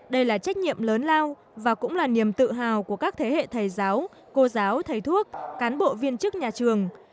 đây là trách nhiệm lớn lao và cũng là niềm tự hào của các thế hệ thầy giáo cô giáo thầy thuốc cán bộ viên chức nhà trường